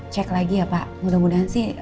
cek lagi ya pak mudah mudahan sih